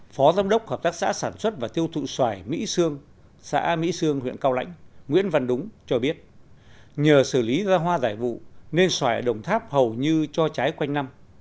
phó giám đốc hợp tác xã sản xuất và tiêu thụ xoài mỹ sương xã mỹ sương huyện cao lãnh nguyễn văn đúng cho biết nhờ xử lý ra hoa giải vụ nên xoài đồng tháp hầu như cho trái quanh năm